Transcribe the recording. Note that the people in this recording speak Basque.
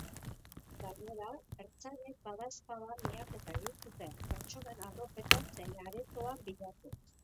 Gainera, ertzainek badaezpada miaketa egin zuten, pertsonen arropetan zein aretoan bilatuz.